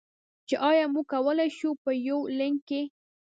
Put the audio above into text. چې ایا موږ کولی شو، په یونلیک کې.